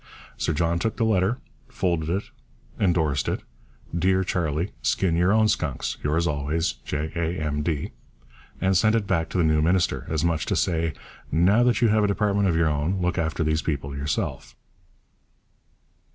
Sir John took the letter, folded it, endorsed it, 'Dear Charlie, skin your own skunks. Yours always, J. A. M.D.,' and sent it back to the new minister; as much as to say, 'Now that you have a department of your own, look after these people yourself.'